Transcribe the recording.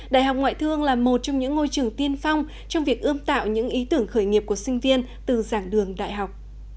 đại học ngoại thương là một trong những ngôi trường tiên phong trong việc ươm tạo những ý tưởng khởi nghiệp của sinh viên từ giảng đường đại học